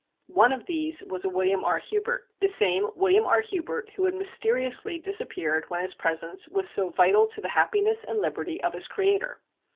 One of these was a William R. Hubert the same William R. Hubert who had mysteriously disappeared when his presence was so vital to the happiness and liberty of his creator.